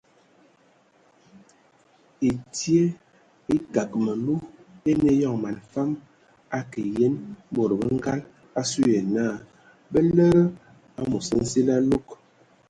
Ɛtie ekag məlu eine eyɔŋ man fam akə yen bod bə ngal asu na bə lede amos nsili alug.